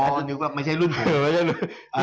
อ๋อนึกว่าไม่ใช่รุ่นผม